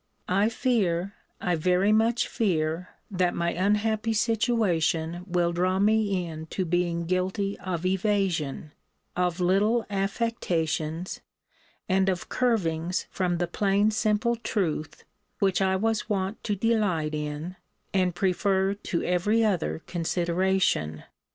I fear, I very much fear, that my unhappy situation will draw me in to being guilty of evasion, of little affectations, and of curvings from the plain simple truth which I was wont to delight in, and prefer to every other consideration.